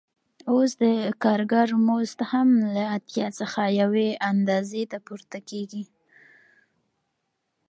اوس د کارګر مزد هم له اتیا څخه یوې اندازې ته پورته کېږي